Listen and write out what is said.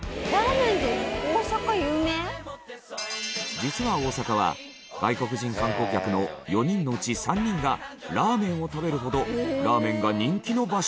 実は大阪は外国人観光客の４人のうち３人がラーメンを食べるほどラーメンが人気の場所。